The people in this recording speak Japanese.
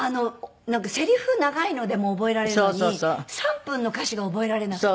せりふ長いのでも覚えられるのに３分の歌詞が覚えられなくて。